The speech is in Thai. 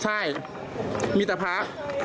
ใช่มีแต่พระ